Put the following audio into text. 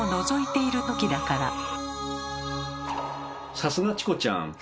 さすがチコちゃん。